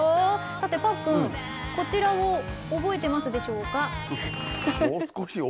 さてパックンこちらを覚えてますでしょうか？